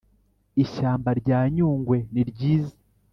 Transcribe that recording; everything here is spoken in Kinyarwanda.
Ishyamba ryanyungwe niryiza